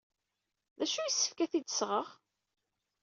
D acu ay yessefk ad t-id-sɣeɣ?